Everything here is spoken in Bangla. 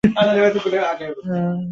তিনি যেদিন যাত্রা করিলেন, সেদিন বুধবার।